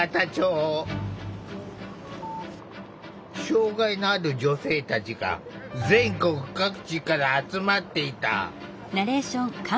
障害のある女性たちが全国各地から集まっていた。